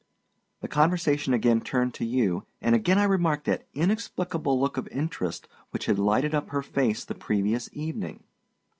The conversation again turned to you, and again I remarked that inexplicable look of interest which had lighted up her face the previous evening.